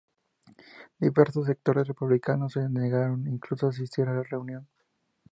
Diversos sectores republicanos se negaron incluso a asistir a la reunión.